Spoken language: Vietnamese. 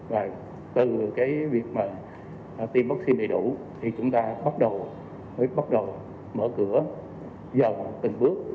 và từ cái việc mà tiêm vaccine đầy đủ thì chúng ta bắt đầu mới bắt đầu mở cửa dần từng bước